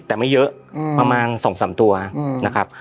แต่ไม่เยอะอืมประมาณสองสามตัวอืมนะครับ